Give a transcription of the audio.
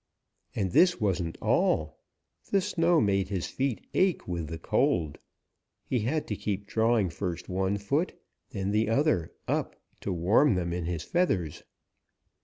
And this wasn't all; the snow made his feet ache with the cold. He had to keep drawing first one foot and then the other up to warm them in his feathers.